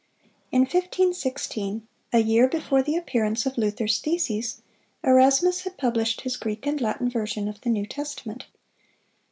In 1516, a year before the appearance of Luther's theses, Erasmus had published his Greek and Latin version of the New Testament.